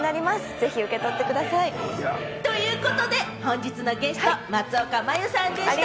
ぜひ受け取ってください。ということで本日のゲスト、松岡茉優さんでした。